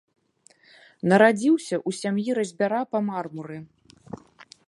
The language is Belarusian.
Нарадзіўся ў сям'і разьбяра па мармуры.